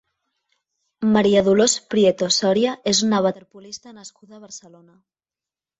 Maria Dolors Prieto Soria és una waterpolista nascuda a Barcelona.